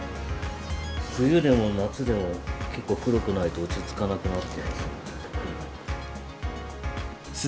冬でも夏でも、結構黒くないと落ち着かなくなっています。